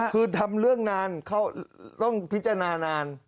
คือทำเรื่องนานเขาต้องพิจารณานาน